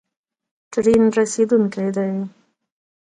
ټرین رسیدونکی دی